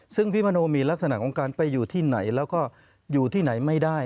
ซึ่งพี่มโนมีลักษณะของการไปอยู่ที่ไหนแล้วก็อยู่ที่ไหนไม่ได้